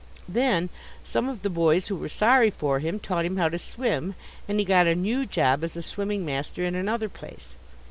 Then some of the boys who were sorry for him taught him how to swim, and he got a new job as a swimming master in another place.